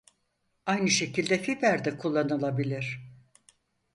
Aynı şekilde fiber de kullanılabilir.